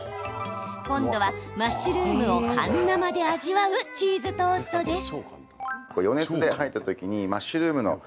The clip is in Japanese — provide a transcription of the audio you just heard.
今度はマッシュルームを半生で味わうチーズトーストです。